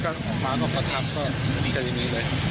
เต็มระเบงฟ้าก็กระทับใส่ดินี้เลย